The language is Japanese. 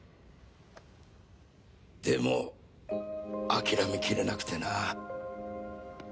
でも諦めきれなくてな。